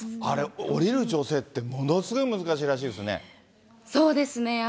あれ、おりる女性ってものすごい難しいらしいですね。